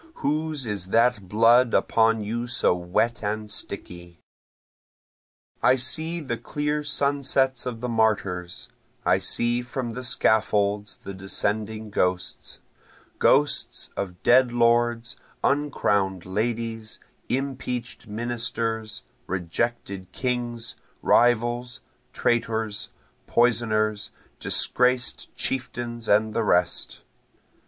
Whose is that blood upon you so wet and sticky?) I see the clear sunsets of the martyrs, I see from the scaffolds the descending ghosts, Ghosts of dead lords, uncrown'd ladies, impeach'd ministers, rejected kings, Rivals, traitors, poisoners, disgraced chieftains and the rest.